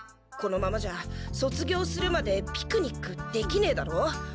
このままじゃそつぎょうするまでピクニックできねえだろ？